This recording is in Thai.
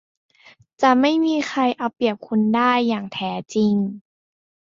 จะไม่มีใครเอาเปรียบคุณได้อย่างแท้จริง